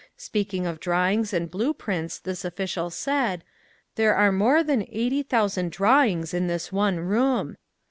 Speaking of drawings and blue prints this official said: "There are more than eighty thousand drawings in this one room."